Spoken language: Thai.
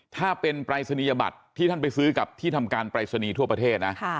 ถ้าเป็นปรายศนียบัตรที่ท่านไปซื้อกับที่ทำการปรายศนีย์ทั่วประเทศนะ